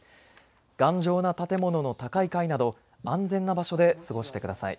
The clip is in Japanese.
頑丈な建物の高い階など安全な場所で過ごしてください。